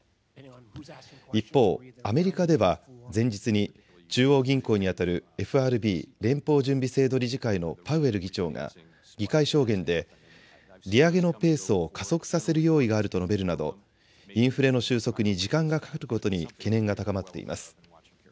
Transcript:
一方、アメリカでは前日に中央銀行にあたるＦＲＢ・連邦準備制度理事会のパウエル議長が議会証言で利上げのペースを加速させる用意があると述べるなどインフレの収束に時間がかかることに懸念が高まっています。